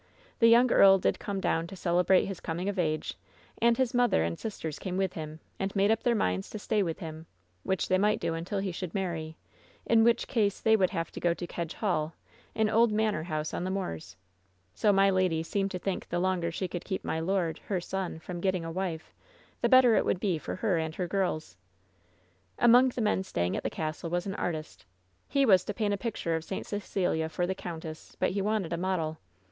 The young earl did come down to celebrate his coming of age, and his mother and sisters came with him, and made up their minds to stay with him, which they might do until he should marry, in which case they would have to go to Kedge Hall, an old manor house on the moors. So my lady seemed to think the longer she could keep my lord, her son, from getting a wife, the better it would be for her and hep girls. "Among the men staying at the castle was an artist. He was to paint a picture of St. Cecelia for the countess, but he wanted a model.